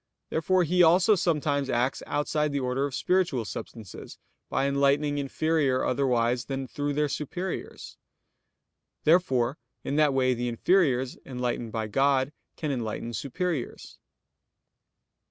Therefore He also sometimes acts outside the order of spiritual substances, by enlightening inferior otherwise than through their superiors. Therefore in that way the inferiors enlightened by God can enlighten superiors.